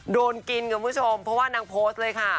โดนกินคุณผู้ชมเพราะว่านางโพสต์เลยค่ะ